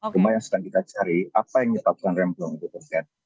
kemudian sekarang kita cari apa yang menyebabkan remblong itu